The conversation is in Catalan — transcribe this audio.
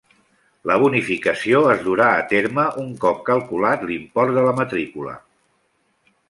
La bonificació es durà a terme, un cop calculat l'import de la matrícula.